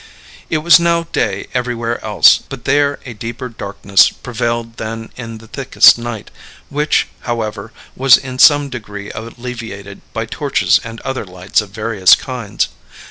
It was now day everywhere else, but there a deeper darkness prevailed than in the thickest night, which, however, was in some degree alleviated by torches and other lights of various kinds.